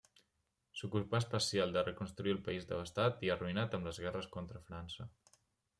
S'ocupà especial de reconstruir el país devastat i arruïnat amb les guerres contra França.